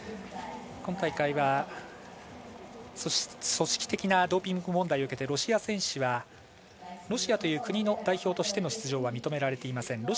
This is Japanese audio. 今大会は組織的なドーピング問題を受けてロシア選手はロシアという国の代表としての出場は認められていません。